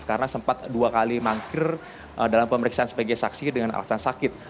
karena sempat dua kali mangkir dalam pemeriksaan sebagai saksi dengan alasan sakit